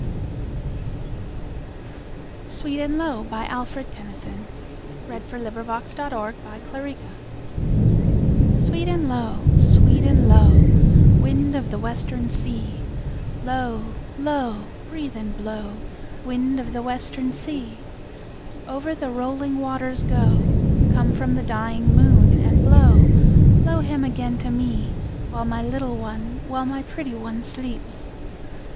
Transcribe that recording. thy feet to Heaven. Walter Malone. Sweet and Low (From "The Princess") Sweet and low, sweet and low, Wind of the western sea, Low, low, breathe and blow, Wind of the western sea! Over the rolling waters go, Come from the dying moon, and blow, Blow him again to me; While my little one, while my pretty one, sleeps.